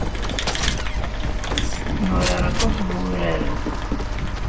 Nurar aṭas n wuraren.